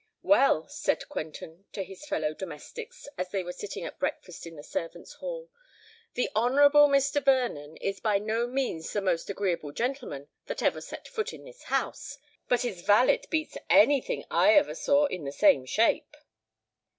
"Well," said Quentin to his fellow domestics, as they were sitting at breakfast in the servants' hall, "the Honourable Mr. Vernon is by no means the most agreeable gentleman that ever set foot in this house; but his valet beats any thing I ever saw in the same shape."